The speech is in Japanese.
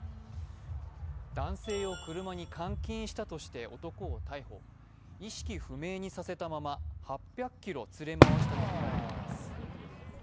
男性を車に監禁したとして男を逮捕、意識不明にさせたまま８００ｋｍ連れ回したとみられています。